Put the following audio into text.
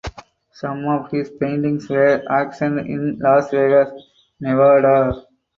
Some of his paintings were auctioned in Las Vegas (Nevada).